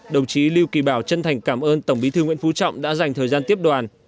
đồng chí lưu kỳ bảo chân thành cảm ơn tổng bí thư nguyễn phú trọng đã dành thời gian tiếp đoàn